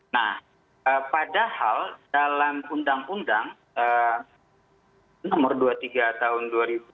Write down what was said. nah padahal dalam undang undang nomor dua puluh tiga tahun dua ribu dua